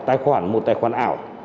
tài khoản một tài khoản ảo